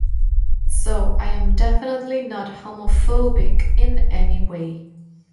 So I am definitely not homophobic in any way.